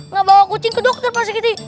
ngebawa kucing ke dokter pak sikiti